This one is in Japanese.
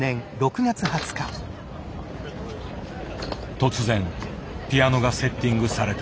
突然ピアノがセッティングされた。